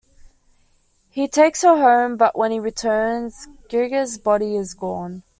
He takes her home but when he returns, Geiger's body is gone.